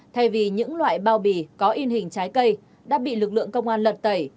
thay vì những loại bao bì có in hình trái cây đã bị lực lượng công an lật tẩy